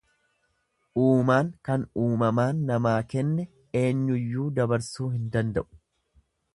Uumaan kan uumamaan namaa kenne eenyuyyuu dabarsuu hin danda'u.